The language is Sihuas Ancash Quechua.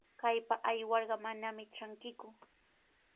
Kaypa aywarqa manami trankiku.